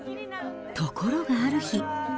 ところが、ある日。